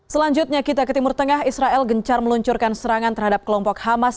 selanjutnya kita ke timur tengah israel gencar meluncurkan serangan terhadap kelompok hamas